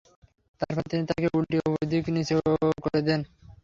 তারপর তিনি তাকে উল্টিয়ে উপর দিক নিচে করে দেন।